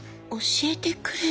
教えてくれる？